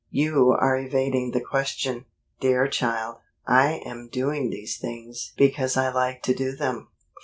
"You are evading the question." "Dear child, I am doing these things because I like to do them.